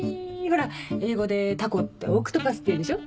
ほら英語でタコってオクトパスっていうでしょ。